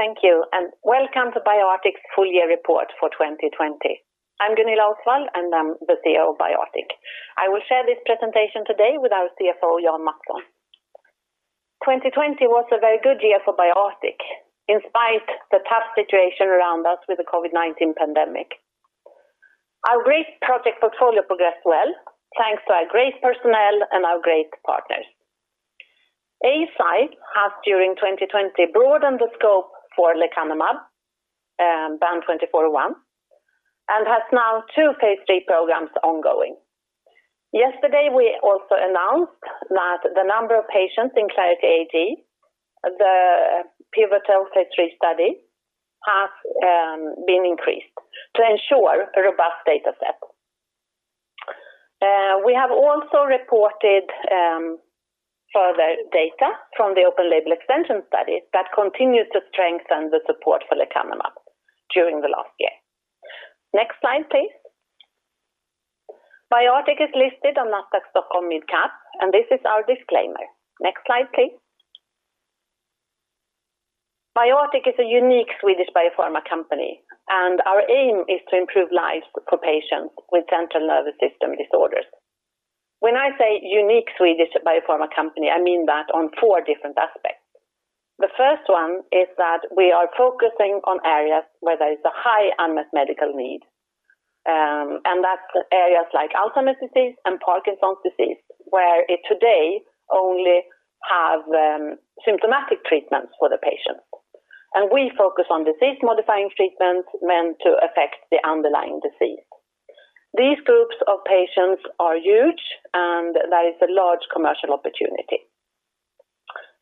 Thank you, welcome to BioArctic's full year report for 2020. I'm Gunilla Osswald, and I'm the CEO of BioArctic. I will share this presentation today with our CFO, Jan Mattsson. 2020 was a very good year for BioArctic, in spite the tough situation around us with the COVID-19 pandemic. Our great project portfolio progressed well, thanks to our great personnel and our great partners. Eisai has during 2020 broadened the scope for lecanemab, BAN2401, and has now two phase III programs ongoing. Yesterday, we also announced that the number of patients in CLARITY AD, the pivotal phase III study, has been increased to ensure a robust data set. We have also reported further data from the open label extension study that continues to strengthen the support for lecanemab during the last year. Next slide, please. BioArctic is listed on Nasdaq Stockholm Mid Cap, and this is our disclaimer. Next slide, please. BioArctic is a unique Swedish biopharma company, and our aim is to improve lives for patients with central nervous system disorders. When I say unique Swedish biopharma company, I mean that on four different aspects. The first one is that we are focusing on areas where there is a high unmet medical need. That's areas like Alzheimer's disease and Parkinson's disease, where today only have symptomatic treatments for the patient. We focus on disease modifying treatments meant to affect the underlying disease. These groups of patients are huge, and there is a large commercial opportunity.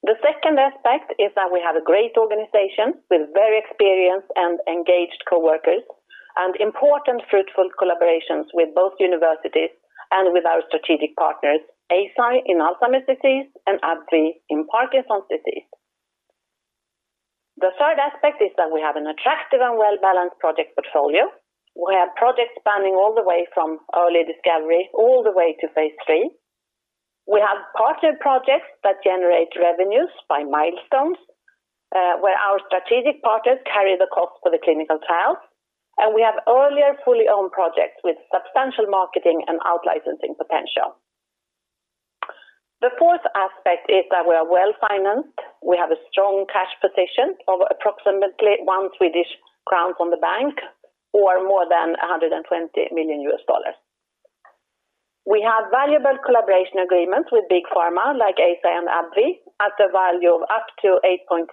The second aspect is that we have a great organization with very experienced and engaged coworkers and important fruitful collaborations with both universities and with our strategic partners, Eisai in Alzheimer's disease and AbbVie in Parkinson's disease. The third aspect is that we have an attractive and well-balanced project portfolio, where projects spanning all the way from early discovery all the way to phase III. We have partnered projects that generate revenues by milestones, where our strategic partners carry the cost for the clinical trials, and we have earlier fully owned projects with substantial marketing and out licensing potential. The fourth aspect is that we are well-financed. We have a strong cash position of approximately 1 billion Swedish crown from the bank or more than $120 million. We have valuable collaboration agreements with big pharma like Eisai and AbbVie at the value of up to 8.7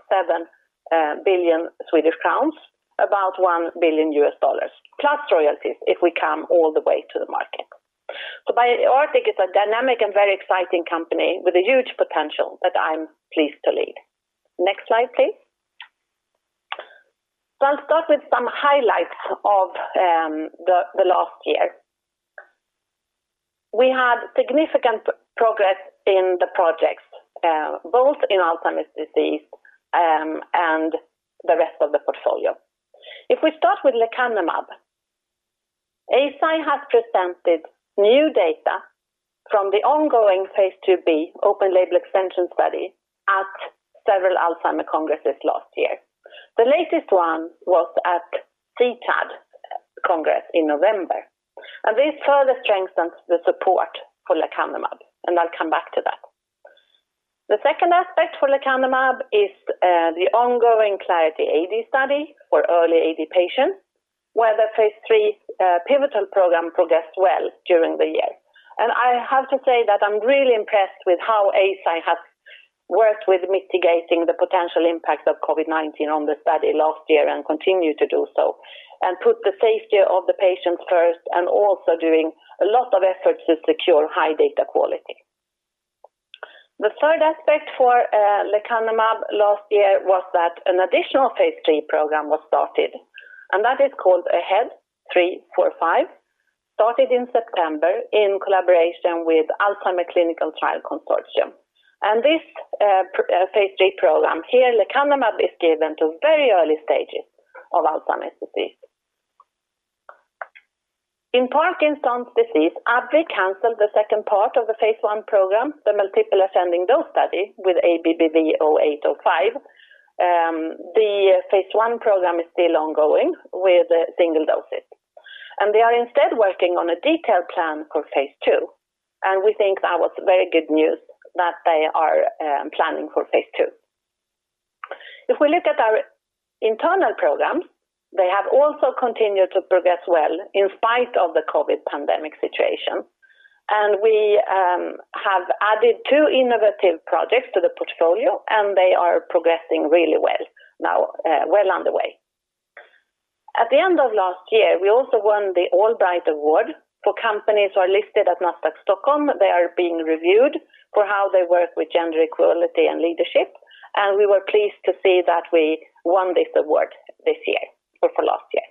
billion Swedish crowns, about $1 billion, plus royalties if we come all the way to the market. BioArctic is a dynamic and very exciting company with a huge potential that I'm pleased to lead. Next slide, please. I'll start with some highlights of the last year. We had significant progress in the projects, both in Alzheimer's disease, and the rest of the portfolio. If we start with lecanemab, Eisai has presented new data from the ongoing phase IIb open label extension study at several Alzheimer's congresses last year. The latest one was at CTAD Congress in November. This further strengthens the support for lecanemab. I'll come back to that. The second aspect for lecanemab is the ongoing CLARITY AD study for early AD patients, where the phase III pivotal program progressed well during the year. I have to say that I'm really impressed with how Eisai has worked with mitigating the potential impact of COVID-19 on the study last year, and continue to do so, and put the safety of the patients first, and also doing a lot of efforts to secure high data quality. The third aspect for lecanemab last year was that an additional phase III program was started, and that is called AHEAD 3-45, started in September in collaboration with Alzheimer's Clinical Trials Consortium. This phase III program here, lecanemab is given to very early stages of Alzheimer's disease. In Parkinson's disease, AbbVie canceled the second part of the phase I program, the multiple ascending dose study with ABBV-0805. The phase I program is still ongoing with single doses. They are instead working on a detailed plan for phase II, and we think that was very good news that they are planning for phase II. If we look at our internal programs, they have also continued to progress well in spite of the COVID-19 pandemic situation. We have added two innovative projects to the portfolio, and they are progressing really well now, well underway. At the end of last year, we also won the Allbright Award for companies who are listed at Nasdaq Stockholm. They are being reviewed for how they work with gender equality and leadership, and we were pleased to see that we won this award this year for last year.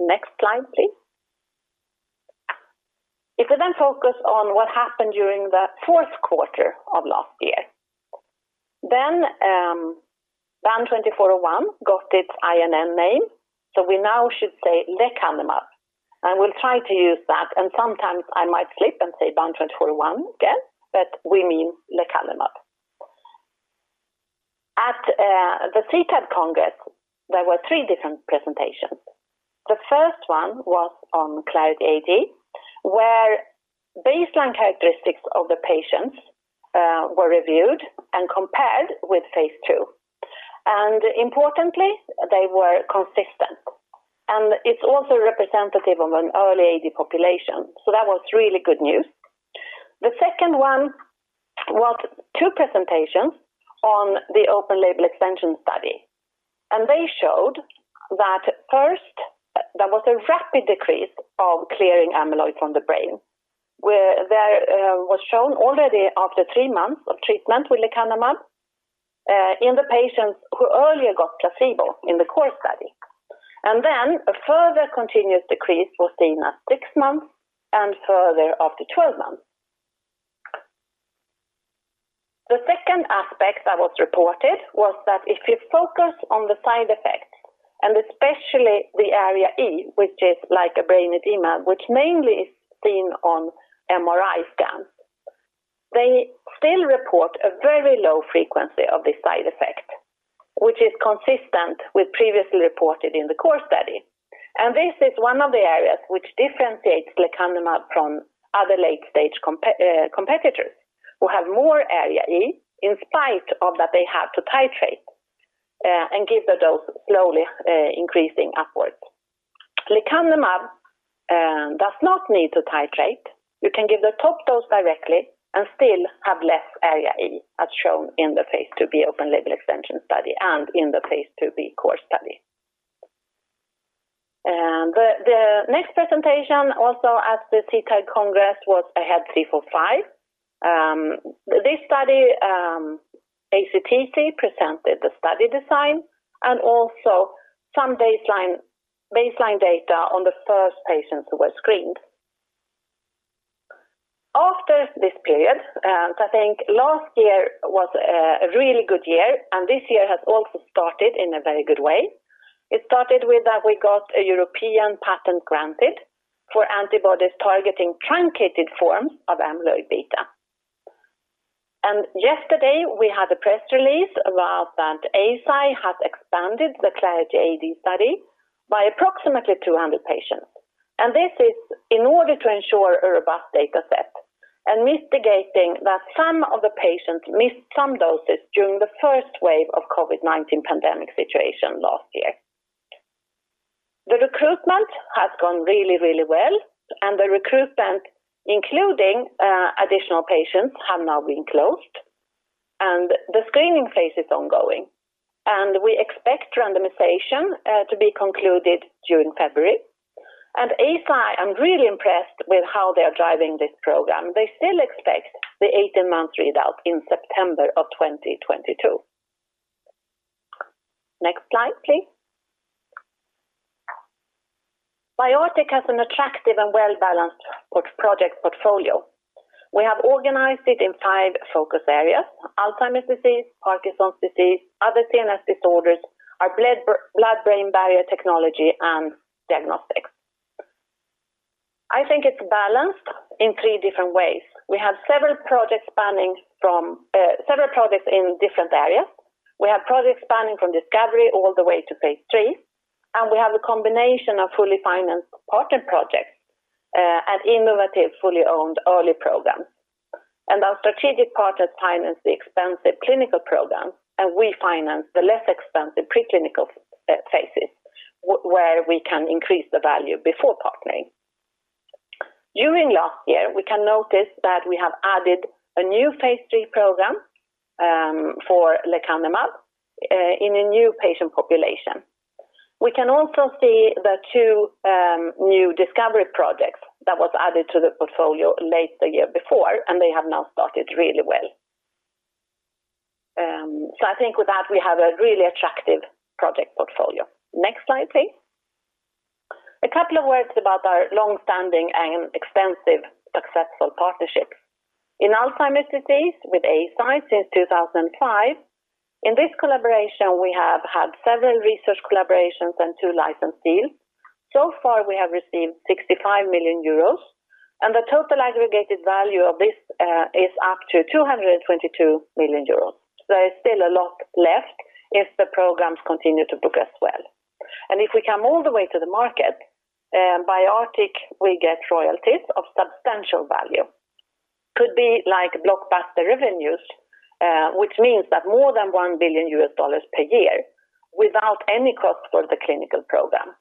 Next slide, please. If we focus on what happened during the fourth quarter of last year, BAN2401 got its INN name, so we now should say lecanemab. I will try to use that, and sometimes I might slip and say BAN2401 again, but we mean lecanemab. At the CTAD Congress, there were three different presentations. The first one was on Clarity AD, where baseline characteristics of the patients were reviewed and compared with phase II. Importantly, they were consistent. It's also representative of an early AD population, so that was really good news. The second one was two presentations on the open-label extension study. They showed that first, there was a rapid decrease of clearing amyloid from the brain. Where there was shown already after three months of treatment with lecanemab in the patients who earlier got placebo in the core study. Then a further continuous decrease was seen at six months, and further after 12 months. The second aspect that was reported was that if you focus on the side effects, and especially the ARIA-E, which is like a brain edema, which mainly is seen on MRI scans. They still report a very low frequency of the side effect, which is consistent with previously reported in the core study. This is one of the areas which differentiates lecanemab from other late-stage competitors who have more ARIA-E in spite of that they have to titrate and give the dose slowly increasing upwards. Lecanemab does not need to titrate. You can give the top dose directly and still have less ARIA-E, as shown in the phase IIb open-label extension study and in the phase IIb core study. The next presentation also at the CTAD Congress was AHEAD 3-45. This study, ACTC presented the study design and also some baseline data on the first patients who were screened. After this period, I think last year was a really good year, and this year has also started in a very good way. It started with that we got a European patent granted for antibodies targeting truncated forms of amyloid beta. Yesterday we had a press release about that Eisai has expanded the Clarity AD study by approximately 200 patients. This is in order to ensure a robust data set and mitigating that some of the patients missed some doses during the first wave of COVID-19 pandemic situation last year. The recruitment has gone really well, and the recruitment, including additional patients, have now been closed. The screening phase is ongoing. We expect randomization to be concluded during February. At Eisai, I'm really impressed with how they are driving this program. They still expect the 18-month readout in September of 2022. Next slide, please. BioArctic has an attractive and well-balanced project portfolio. We have organized it in five focus areas. Alzheimer's disease, Parkinson's disease, other CNS disorders, our blood-brain barrier technology, and diagnostics. I think it's balanced in three different ways. We have several projects in different areas. We have projects spanning from discovery all the way to phase III. We have a combination of fully financed partnered projects and innovative, fully owned early programs. Our strategic partner finance the expensive clinical programs. We finance the less expensive preclinical phases where we can increase the value before partnering. During last year, we can notice that we have added a new phase III program for lecanemab in a new patient population. We can also see the two new discovery projects that was added to the portfolio late the year before. They have now started really well. I think with that, we have a really attractive project portfolio. Next slide, please. A couple of words about our long-standing and extensive successful partnerships. In Alzheimer's disease with Eisai since 2005. In this collaboration, we have had seven research collaborations and two license deals. Far, we have received 65 million euros, and the total aggregated value of this is up to 222 million euros. There's still a lot left if the programs continue to progress well. If we come all the way to the market, BioArctic will get royalties of substantial value. Could be like blockbuster revenues, which means that more than $1 billion per year without any cost for the clinical program.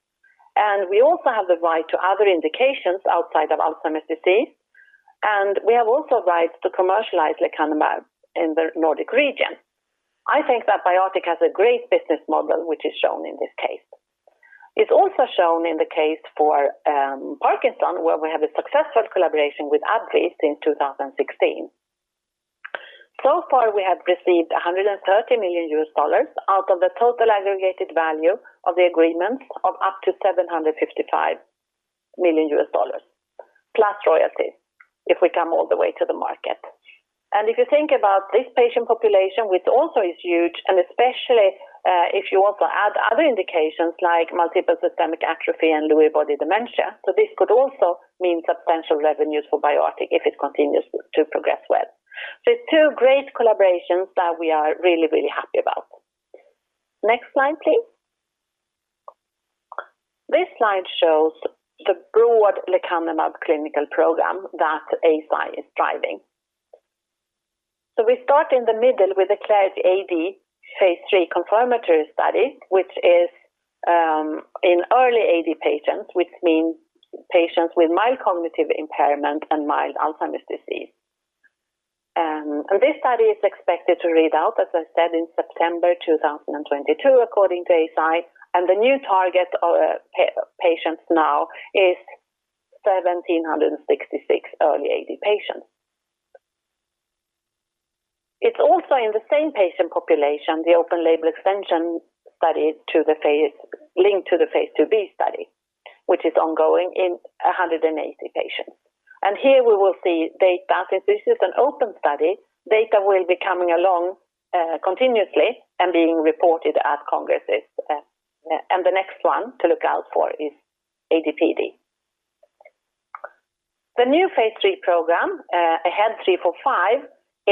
We also have the right to other indications outside of Alzheimer's disease, and we have also rights to commercialize lecanemab in the Nordic region. I think that BioArctic has a great business model, which is shown in this case. It's also shown in the case for Parkinson's, where we have a successful collaboration with AbbVie since 2016. So far, we have received $130 million out of the total aggregated value of the agreements of up to $755 million. Plus royalties if we come all the way to the market. If you think about this patient population, which also is huge, and especially if you also add other indications like multiple system atrophy and Lewy body dementia, this could also mean substantial revenues for BioArctic if it continues to progress well. It's two great collaborations that we are really, really happy about. Next slide, please. This slide shows the broad lecanemab clinical program that Eisai is driving. We start in the middle with the CLARITY AD phase III confirmatory study, which is in early AD patients, which means patients with mild cognitive impairment and mild Alzheimer's disease. This study is expected to read out, as I said, in September 2022, according to Eisai, and the new target of patients now is 1,766 early AD patients. It is also in the same patient population, the open label extension linked to the Phase IIb study, which is ongoing in 180 patients. Here we will see data. Since this is an open study, data will be coming along continuously and being reported at congresses. The next one to look out for is AD/PD. The new phase III program, AHEAD 3-45,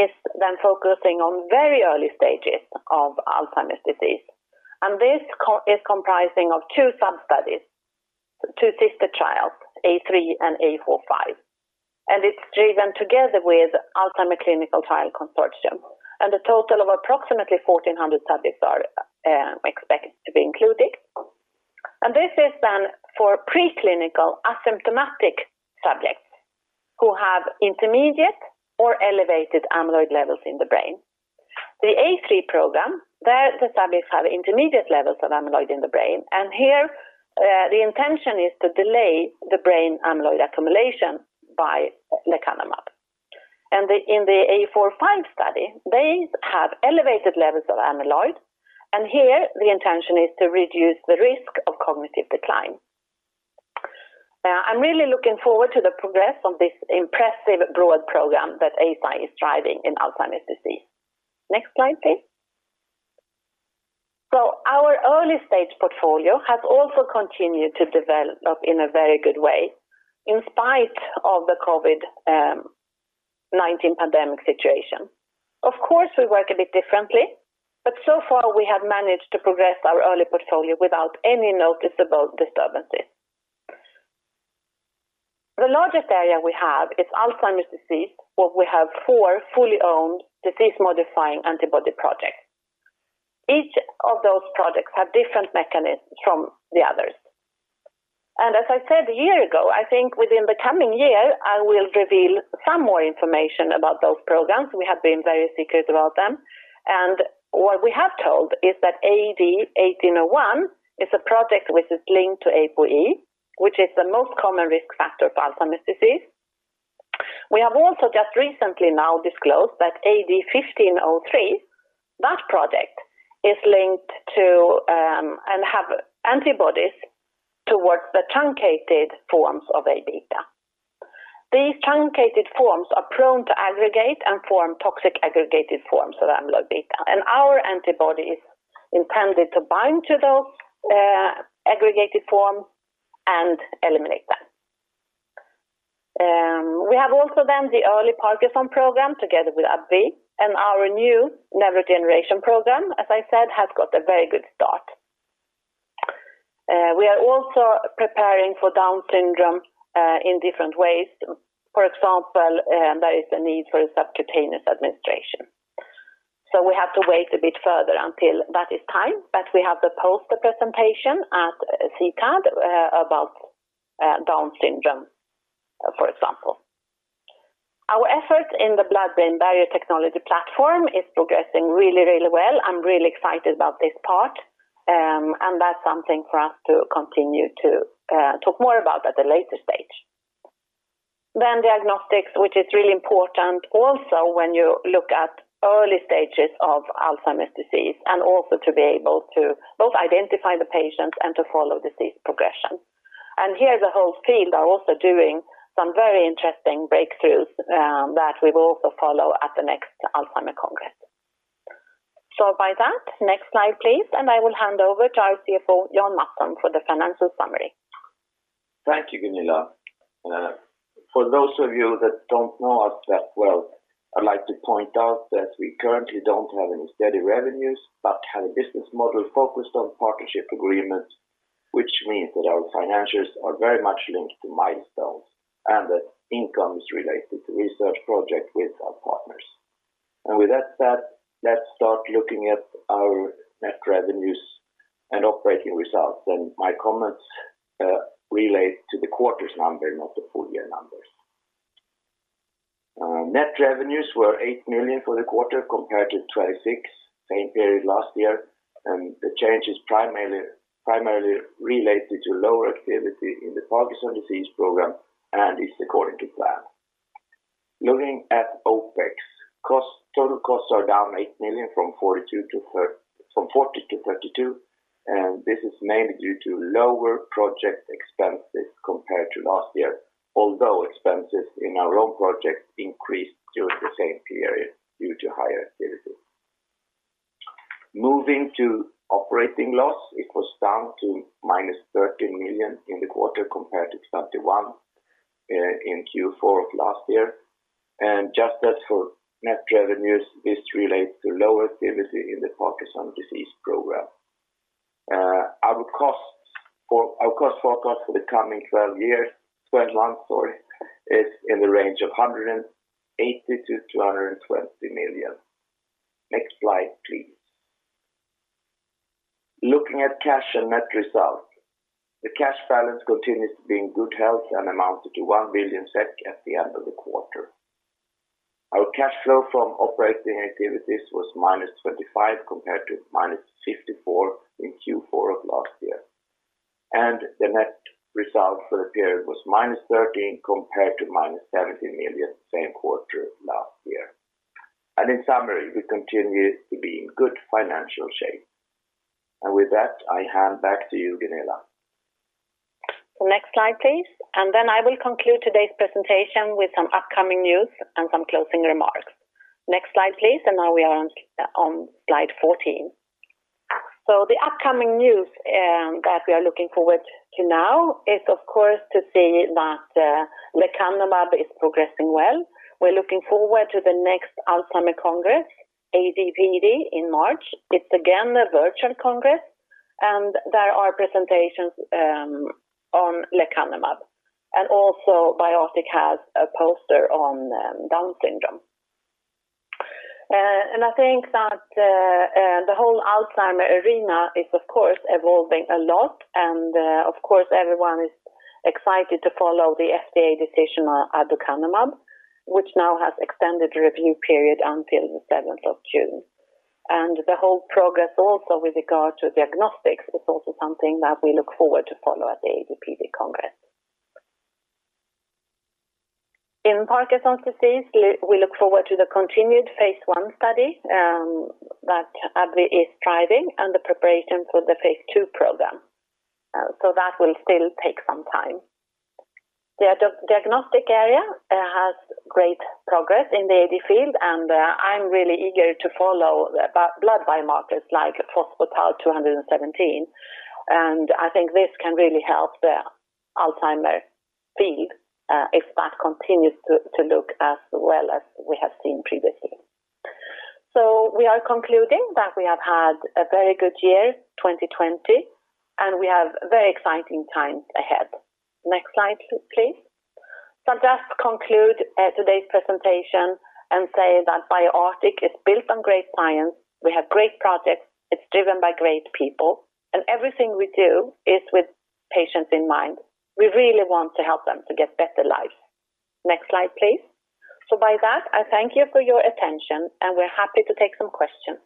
is focusing on very early stages of Alzheimer's disease. This is comprising of two sub-studies, two sister trials, A3 and A45. It's driven together with Alzheimer's Clinical Trials Consortium. A total of approximately 1,400 subjects are expected to be included. This is for preclinical asymptomatic subjects who have intermediate or elevated amyloid levels in the brain. The A3 program, there the subjects have intermediate levels of amyloid in the brain, and here the intention is to delay the brain amyloid accumulation by lecanemab. In the A45 study, they have elevated levels of amyloid, and here the intention is to reduce the risk of cognitive decline. I'm really looking forward to the progress of this impressive broad program that Eisai is driving in Alzheimer's disease. Next slide, please. Our early-stage portfolio has also continued to develop in a very good way in spite of the COVID-19 pandemic situation. So far, we have managed to progress our early portfolio without any noticeable disturbances. The largest area we have is Alzheimer's disease, where we have four fully owned disease-modifying antibody projects. Each of those projects have different mechanisms from the others. As I said a year ago, I think within the coming year, I will reveal some more information about those programs. We have been very secret about them. What we have told is that AD1801 is a project which is linked to ApoE, which is the most common risk factor for Alzheimer's disease. We have also just recently now disclosed that AD1503, that project is linked to and have antibodies towards the truncated forms of Aβ. These truncated forms are prone to aggregate and form toxic aggregated forms of amyloid beta. Our antibody is intended to bind to those aggregated forms and eliminate them. We have also then the early Parkinson program together with AbbVie. Our new neurodegeneration program, as I said, has got a very good start. We are also preparing for Down syndrome in different ways. For example, there is a need for subcutaneous administration. We have to wait a bit further until that is time, but we have the poster presentation at CTAD about Down syndrome, for example. Our efforts in the blood-brain barrier technology platform is progressing really, really well. I'm really excited about this part. That's something for us to continue to talk more about at a later stage. Diagnostics, which is really important also when you look at early stages of Alzheimer's disease, and also to be able to both identify the patients and to follow disease progression. Here the whole field are also doing some very interesting breakthroughs that we will also follow at the next CTAD Congress. With that, next slide please, and I will hand over to our CFO, Jan Mattsson, for the financial summary. Thank you, Gunilla. For those of you that don't know us that well, I'd like to point out that we currently don't have any steady revenues, but have a business model focused on partnership agreements, which means that our financials are very much linked to milestones and that income is related to research projects with our partners. With that said, let's start looking at our net revenues and operating results. My comments relate to the quarter's numbers, not the full-year numbers. Net revenues were 8 million for the quarter compared to 26 million same period last year. The change is primarily related to lower activity in the Parkinson's disease program and is according to plan. Looking at OpEx. Total costs are down 8 million from 40 to 32, this is mainly due to lower project expenses compared to last year, although expenses in our own projects increased during the same period due to higher activity. Moving to operating loss, it was down to -13 million in the quarter compared to 31 in Q4 of last year. Just as for net revenues, this relates to lower activity in the Parkinson's disease program. Our cost forecast for the coming 12 months is in the range of 180 million-220 million. Next slide, please. Looking at cash and net results. The cash balance continues to be in good health and amounted to 1 billion SEK at the end of the quarter. Our cash flow from operating activities was -25 compared to -54 in Q4 of last year. The net result for the period was -13 compared to -70 million same quarter last year. In summary, we continue to be in good financial shape. With that, I hand back to you, Gunilla. Next slide, please. Then I will conclude today's presentation with some upcoming news and some closing remarks. Next slide, please. Now we are on slide 14. The upcoming news that we are looking forward to now is, of course, to see that lecanemab is progressing well. We're looking forward to the next Alzheimer's Congress, AD/PD, in March. It's again a virtual congress. There are presentations on lecanemab. Also BioArctic has a poster on Down syndrome. I think that the whole Alzheimer arena is, of course, evolving a lot. Of course, everyone is excited to follow the FDA decision on aducanumab, which now has extended review period until the 7th of June. The whole progress also with regard to diagnostics is also something that we look forward to follow at the AD/PD congress. In Parkinson's disease, we look forward to the continued phase I study that AbbVie is driving and the preparation for the phase II program. That will still take some time. The diagnostic area has great progress in the AD field, and I'm really eager to follow blood biomarkers like p-tau217, and I think this can really help the Alzheimer's field if that continues to look as well as we have seen previously. We are concluding that we have had a very good year, 2020, and we have very exciting times ahead. Next slide, please. Just conclude today's presentation and say that BioArctic is built on great science. We have great projects. It's driven by great people. Everything we do is with patients in mind. We really want to help them to get better life. Next slide, please. By that, I thank you for your attention, and we're happy to take some questions.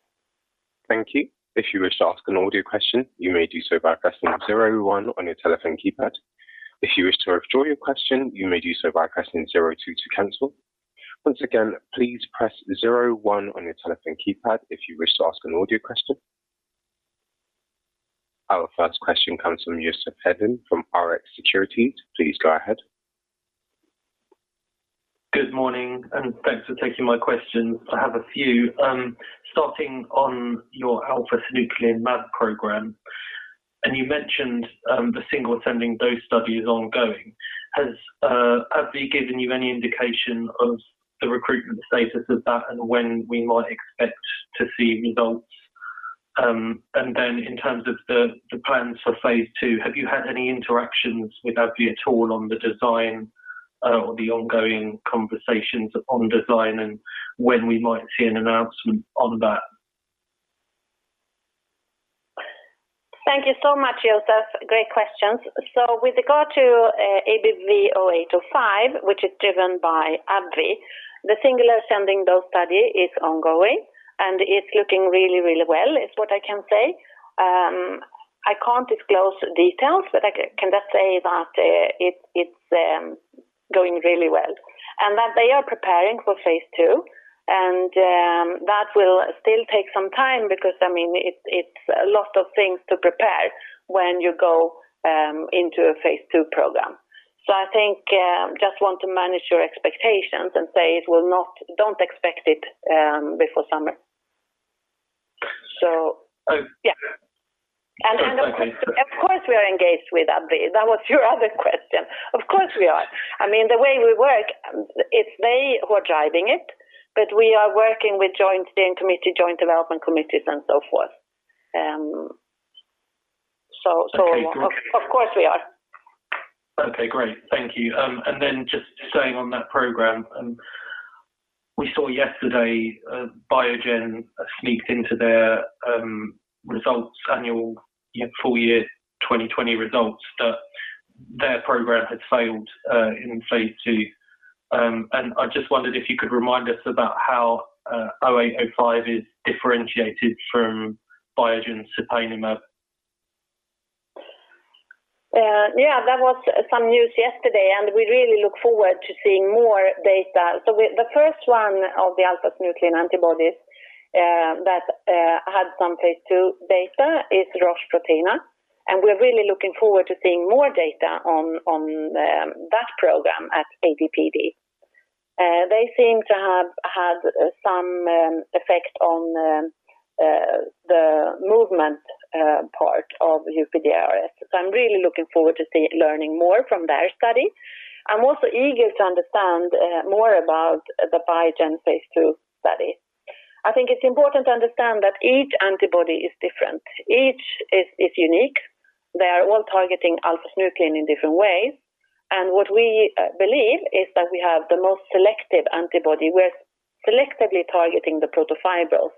Thank you. If you wish to ask an audio question, you may do so by pressing zero one on your telephone keypad. If you wish to withdraw your question, you may do so by pressing zero two to cancel. Once again, please press zero two on your telephone keypad if you wish to ask an audio question. Our first question comes from Joseph Hedden from Rx Securities. Please go ahead. Good morning, thanks for taking my question. I have a few. Starting on your alpha-synuclein mAb program. You mentioned the single ascending dose study is ongoing. Has AbbVie given you any indication of the recruitment status of that and when we might expect to see results? In terms of the plans for phase II, have you had any interactions with AbbVie at all on the design or the ongoing conversations on design and when we might see an announcement on that? Thank you so much, Joseph. Great questions. With regard to ABBV-0805, which is driven by AbbVie, the singular ascending dose study is ongoing and is looking really, really well, is what I can say. I can't disclose details, but I can just say that it's going really well. That they are preparing for phase II, and that will still take some time because, I mean, it's a lot of things to prepare when you go into a phase II program. I think just want to manage your expectations and say don't expect it before summer. Okay. Yeah. Okay. Of course we are engaged with AbbVie. That was your other question. Of course, we are. I mean, the way we work, it's they who are driving it, but we are working with joint steering committee, joint development committees, and so forth. Okay, great. Of course, we are. Okay, great. Thank you. Just staying on that program. We saw yesterday Biogen sneaked into their results annual full year 2020 results that their program had failed in phase II. I just wondered if you could remind us about how 0805 is differentiated from Biogen's lecanemab There was some news yesterday. We really look forward to seeing more data. The first one of the alpha-synuclein antibodies that had some phase II data is Roche's prasinezumab. We're really looking forward to seeing more data on that program at AD/PD. They seem to have had some effect on the movement part of UPDRS. I'm really looking forward to learning more from their study. I'm also eager to understand more about the Biogen phase II study. I think it's important to understand that each antibody is different. Each is unique. They are all targeting alpha-synuclein in different ways. What we believe is that we have the most selective antibody. We're selectively targeting the protofibril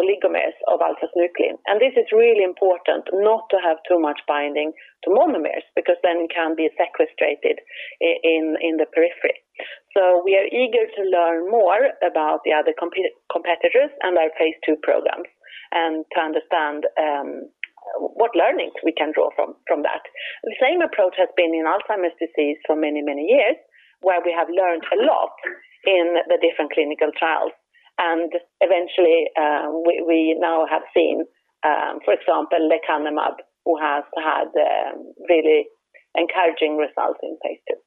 oligomers of alpha-synuclein. This is really important not to have too much binding to monomers, because then it can be sequestrated in the periphery. We are eager to learn more about the other competitors and their phase II programs, and to understand what learnings we can draw from that. The same approach has been in Alzheimer's disease for many years, where we have learned a lot in the different clinical trials. Eventually, we now have seen, for example, lecanemab, who has had really encouraging results in patients.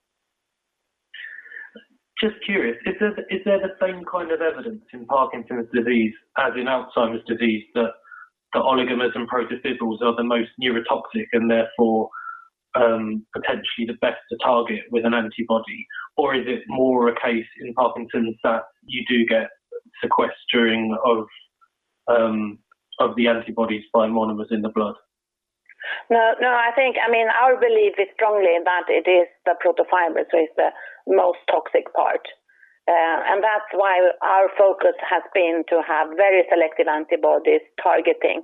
Just curious, is there the same kind of evidence in Parkinson's disease as in Alzheimer's disease that the oligomers and protofibrils are the most neurotoxic and therefore potentially the best to target with an antibody? Is it more a case in Parkinson's that you do get sequestering of the antibodies by monomers in the blood? No, our belief is strongly that it is the protofibrils who is the most toxic part. That's why our focus has been to have very selective antibodies targeting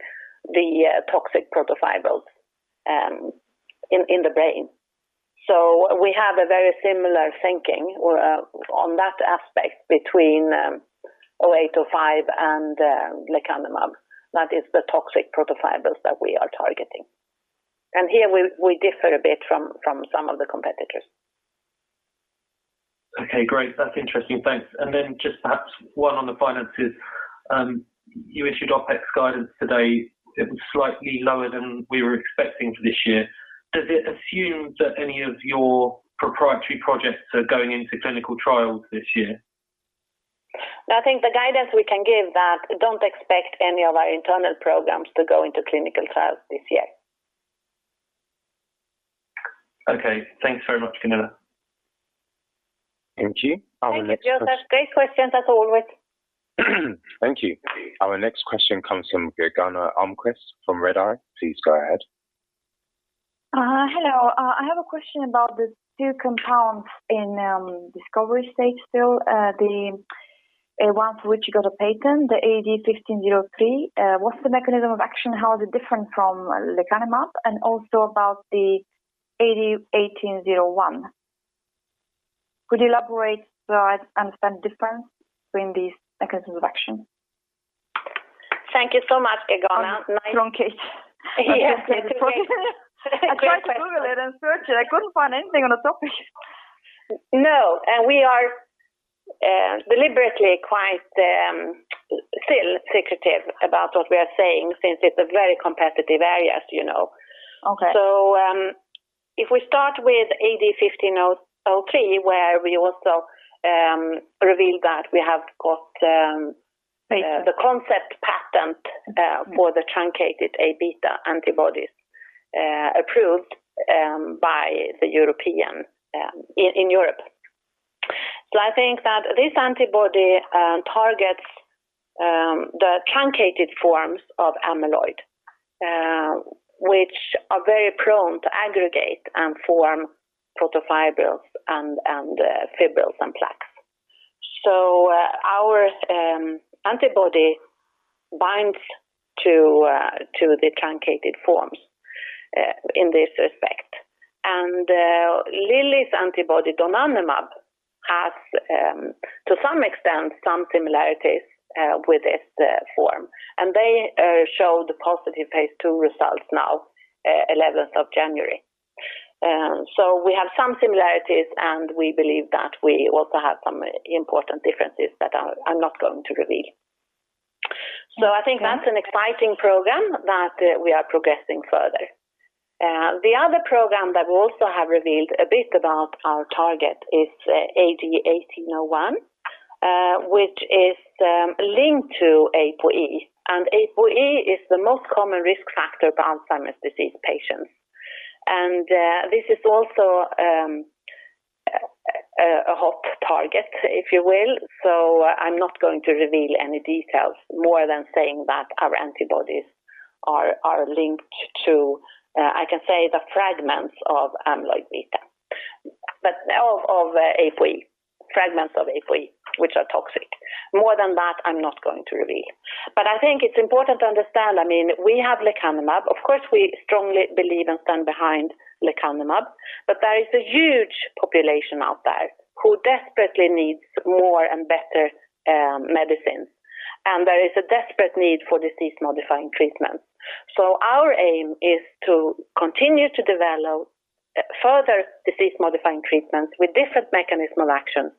the toxic protofibrils in the brain. We have a very similar thinking on that aspect between 0805 and lecanemab. That is the toxic protofibrils that we are targeting. Here we differ a bit from some of the competitors. Okay, great. That's interesting. Thanks. Just perhaps one on the finances. You issued OpEx guidance today. It was slightly lower than we were expecting for this year. Does it assume that any of your proprietary projects are going into clinical trials this year? I think the guidance we can give that don't expect any of our internal programs to go into clinical trials this year. Okay. Thanks very much, Gunilla. Thank you. Our next question. Thank you, Joseph. Great questions as always. Thank you. Our next question comes from Gagan Almqvist from Redeye. Please go ahead. Hello. I have a question about the two compounds in discovery stage still, the one for which you got a patent, the AD1503. What's the mechanism of action? How is it different from lecanemab? Also about the AD1801. Could you elaborate so I understand difference between these mechanisms of action? Thank you so much, Gagan. Long case. Yes. I tried to Google it and search it. I couldn't find anything on the topic. No. We are deliberately quite still secretive about what we are saying since it's a very competitive area, as you know. Okay. If we start with AD1503, where we also revealed that we have. Patent The concept patent for the truncated Aβ antibodies approved in Europe. I think that this antibody targets the truncated forms of amyloid, which are very prone to aggregate and form protofibrils and fibrils and plaques. Our antibody binds to the truncated forms in this respect. Lilly's antibody, donanemab, has to some extent, some similarities with this form. They showed the positive phase II results now, 11th of January. We have some similarities, and we believe that we also have some important differences that I'm not going to reveal. I think that's an exciting program that we are progressing further. The other program that we also have revealed a bit about our target is AD1801, which is linked to ApoE. ApoE is the most common risk factor for Alzheimer's disease patients. This is also a hot target, if you will. I'm not going to reveal any details more than saying that our antibodies are linked to, I can say, the fragments of ApoE, which are toxic. More than that, I'm not going to reveal. I think it's important to understand, we have lecanemab. Of course, we strongly believe and stand behind lecanemab. There is a huge population out there who desperately needs more and better medicines. There is a desperate need for disease-modifying treatment. Our aim is to continue to develop further disease-modifying treatments with different mechanism of action.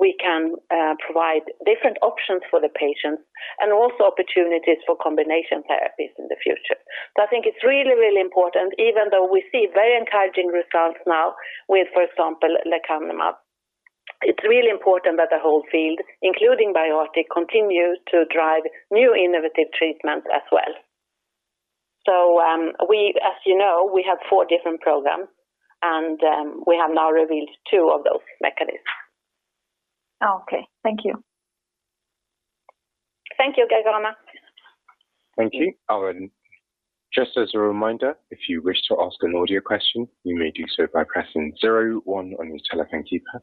We can provide different options for the patients and also opportunities for combination therapies in the future. I think it's really important, even though we see very encouraging results now with, for example, lecanemab. It's really important that the whole field, including BioArctic, continues to drive new innovative treatments as well. As you know, we have four different programs, and we have now revealed two of those mechanisms. Okay. Thank you. Thank you, Gagan. Thank you. Just as a reminder, if you wish to ask an audio question, you may do so by pressing zero one on your telephone keypad.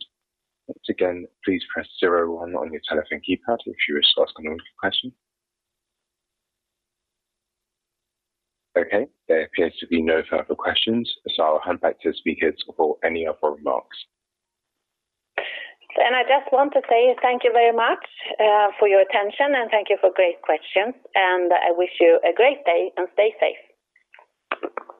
Once again, please press zero one on your telephone keypad if you wish to ask an audio question. Okay. There appears to be no further questions, so I'll hand back to the speakers for any other remarks. I just want to say thank you very much for your attention and thank you for great questions. I wish you a great day and stay safe.